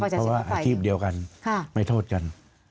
เพราะว่าอาชีพเดียวกันไม่โทษกัน